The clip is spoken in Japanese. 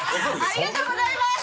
ありがとうございます！